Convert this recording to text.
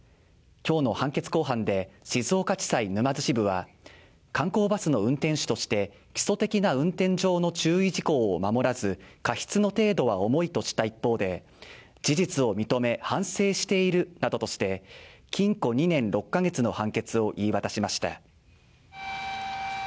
今日の判決公判で静岡地裁沼津支部は、観光バスの運転手として基礎的な運転上の注意事項を守らず過失の程度は重いとしたうえで、事実を認め、反省しているなどとして禁錮２年６か月の判決を言い渡しました。